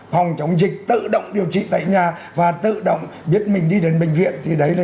phòng chống dịch tự động điều trị tại nhà và tự động biết mình đi đến bệnh viện thì đấy là